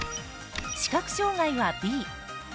視覚障がいは、Ｂ。